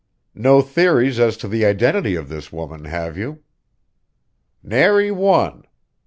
"No theories as to the identity of this woman, have you?" "Nary one.